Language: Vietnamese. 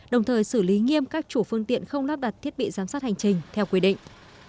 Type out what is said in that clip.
đồng thời xử lý nghiêm các chủ phương tiện không lắp đặt thiết bị giám sát hành trình theo quy định